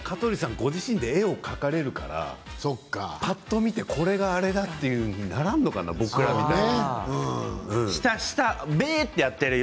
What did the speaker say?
ご自身で絵を描かれるからぱっと見でこれがあれだとならんのかな、僕みたいに。